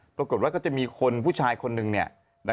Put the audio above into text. คโรกฑับว่าก็จะมีคนผู้ชายคนนึงเนี่ย